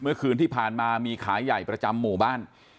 เมื่อคืนที่ผ่านมามีขายใหญ่ประจำหมู่บ้าน